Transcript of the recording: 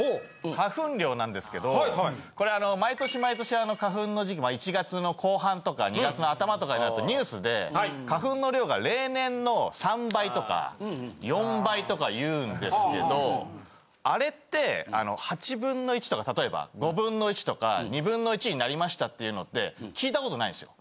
花粉量なんですけどこれあの毎年毎年花粉の時期１月の後半とか２月の頭とかになるとニュースで花粉の量が。とか言うんですけどあれって８分の１とか例えば５分の１とか２分の１になりましたっていうのって聞いたことないんですよ。